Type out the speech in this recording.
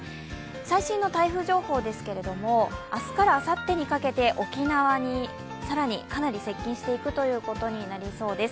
最新の台風情報ですけど明日からあさってにかけて沖縄に更にかなり接近していくということになりそうです。